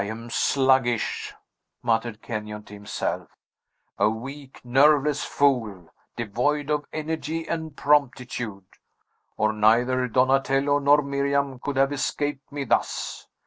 "I am sluggish," muttered Kenyon, to himself; "a weak, nerveless fool, devoid of energy and promptitude; or neither Donatello nor Miriam could have escaped me thus!